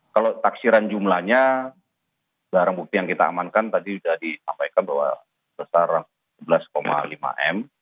kalau taksiran jumlahnya barang bukti yang kita amankan tadi sudah disampaikan bahwa besar sebelas lima m